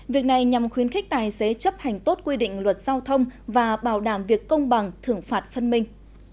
việc này nhằm khuyến khích tài xế chấp hành tốt quy định luật giao thông và bảo đảm việc công bằng thưởng phạt phân minh